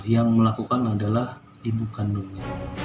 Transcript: yang melakukan adalah ibu kandungnya